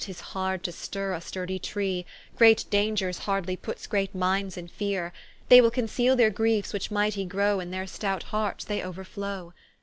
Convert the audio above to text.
tis hard to stirre a sturdy tree; Great dangers hardly puts great minds in feare: They will conceale their griefes which mightie grow In their stout hearts vntill they ouerflow.